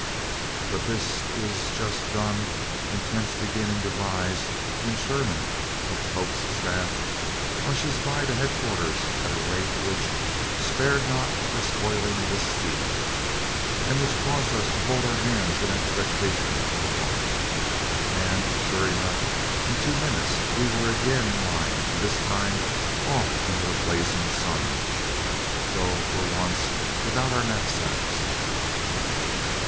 But this is just done and tents beginning to rise when Sherman, of Pope's staff, rushes by to head quarters at a rate which "spared not for spoiling of his steed," and which caused us to hold our hands in expectation for a moment; and, sure enough, in two minutes we were again in line, and this time off under a blazing sun, though for once without our knapsacks.